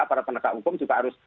para penegak hukum juga harus